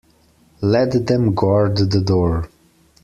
Let them guard the door.